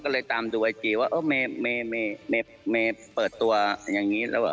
ก็เลยตามดูไอจีว่าเมย์เปิดตัวอย่างนี้แล้วเหรอ